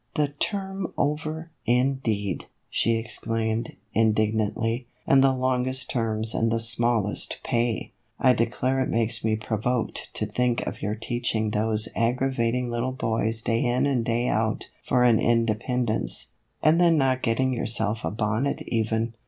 "The term over, indeed!" she exclaimed, indig nantly; "and the longest terms and the smallest pay ! I declare it makes me provoked to think of your teaching those aggravating little boys day in and day out for an independence, and then not get ting yourself a bonnet even.